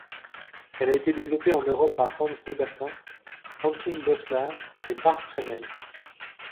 Elle a été développée en Europe par Hans Dobbertin, Antoon Bosselaers et Bart Preneel.